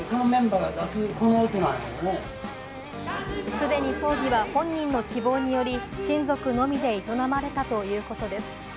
すでに葬儀は本人の希望により親族のみで営まれたということです。